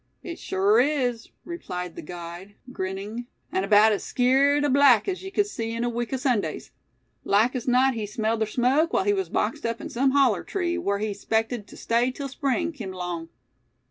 "It sure is," replied the guide, grinning; "an' 'baout as skeered a black as ye cud see in a week o' Sundays. Like as not he smelled ther smoke while he was boxed up in sum holler tree, whar he 'spected tew stay till Spring kim along.